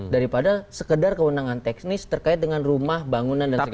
daripada sekedar keundangan teknis terkait dengan rumah bangunan dan segala macamnya